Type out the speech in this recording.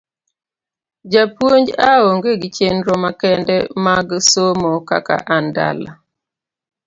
Japuonj aonge gi chenro makende mag somo ka an dala.